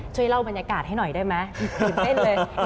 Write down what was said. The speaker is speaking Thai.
ช่วยเล่าบรรยากาศให้หน่อยได้ไหมตื่นเต้นเลย